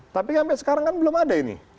tapi sampai sekarang kan belum ada ini